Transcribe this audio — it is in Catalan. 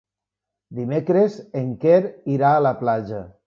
Dimecres en Quer irà a la platja.